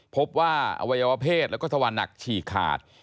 พบว่าอวัยวะเพศแล้วก็ทะวันหนักฉี่ขาด